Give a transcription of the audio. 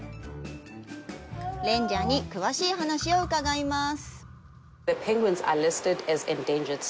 レンジャーに詳しい話を伺います。